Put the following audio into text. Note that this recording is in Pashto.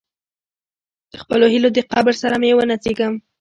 د خپلو هیلو د قبر سره مې ونڅیږم.